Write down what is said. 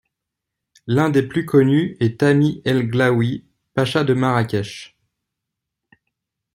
L'un des plus connus est Thami El Glaoui, pacha de Marrakech.